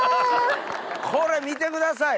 これ見てください！